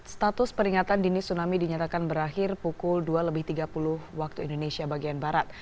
status peringatan dini tsunami dinyatakan berakhir pukul dua lebih tiga puluh waktu indonesia bagian barat